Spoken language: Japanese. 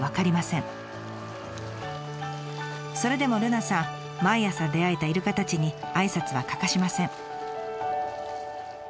それでも瑠奈さん毎朝出会えたイルカたちに挨拶は欠かしません。